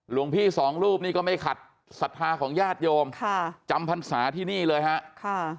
หลวงพี่สองรูปนี่ก็ไม่ขัดศรัทธาของญาติโยมค่ะจำพรรษาที่นี่เลยฮะค่ะ